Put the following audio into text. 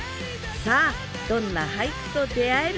さあどんな俳句と出会えるんでしょうか？